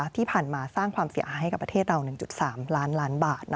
ที่ผ่านมาสร้างความเสียหายให้กับประเทศเรา๑๓ล้านล้านบาท